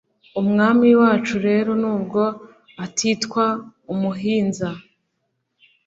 umwami wacu rero n’ubwo atitwa umuhinza